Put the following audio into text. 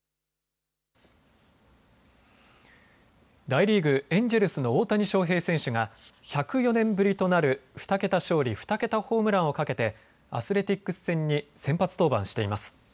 大リーグ、エンジェルスの大谷翔平選手が１０４年ぶりとなる２桁勝利、２桁ホームランをかけてアスレティックス戦に先発登板しています。